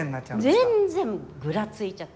全然ぐらついちゃって。